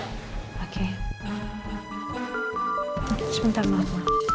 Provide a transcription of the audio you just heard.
oh sebentar maaf